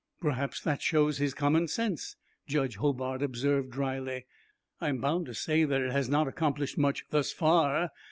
"Perhaps that shows his common sense," Judge Hobart observed dryly. "I am bound to say that it has not accomplished much thus far.